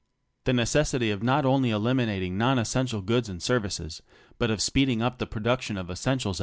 Tliejieces^itX of not o^^^y eliminating non essential goods and services, but of speeding up the pro duction of essentials.